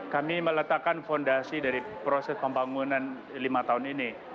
kami meletakkan fondasi dari proses pembangunan lima tahun ini